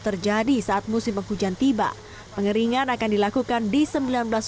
terjadi saat musim hujan tiba pengeringan akan dilakukan di sembilan belas waduk di setiap bulan